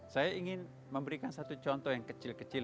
saya ingin memberikan satu contoh yang kecil kecil